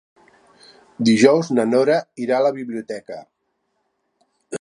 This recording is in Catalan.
Dijous na Nora irà a la biblioteca.